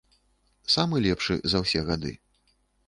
Самы лепшы за ўсе гады.